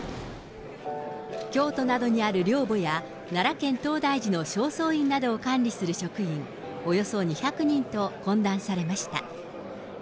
京都などにある陵墓や、奈良県東大寺の正倉院などを管理する職員、およそ２００人と懇談されました。